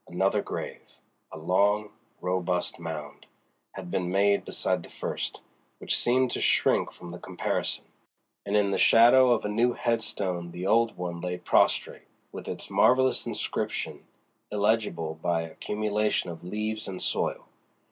Another grave—a long, robust mound—had been made beside the first, which seemed to shrink from the comparison; and in the shadow of a new headstone the old one lay prostrate, with its marvelous inscription illegible by accumulation of leaves and soil.